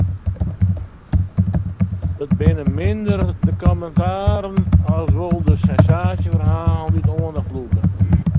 It binne minder de kommentaren as wol de sensaasjeferhalen dy't de oandacht lûke.